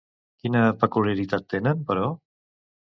Quina peculiaritat tenen, però?